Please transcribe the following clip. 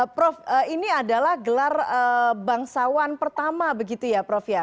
prof ini adalah gelar bangsawan pertama begitu ya prof ya